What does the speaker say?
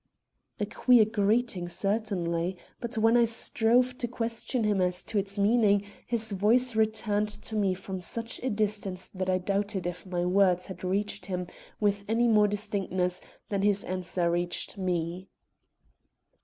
A queer greeting, certainly. But when I strove to question him as to its meaning, his voice returned to me from such a distance that I doubted if my words had reached him with any more distinctness than his answer reached me.